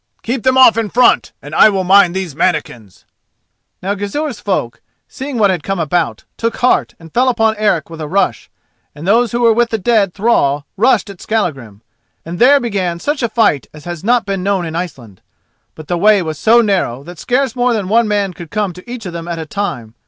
Keep them off in front, and I will mind these mannikins." Now Gizur's folk, seeing what had come about, took heart and fell upon Eric with a rush, and those who were with the dead thrall rushed at Skallagrim, and there began such a fight as has not been known in Iceland. But the way was so narrow that scarce more than one man could come to each of them at a time.